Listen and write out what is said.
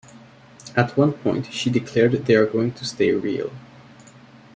At one point she declared they are going to stay real...